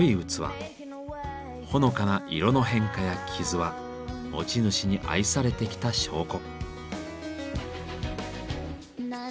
ほのかな色の変化や傷は持ち主に愛されてきた証拠。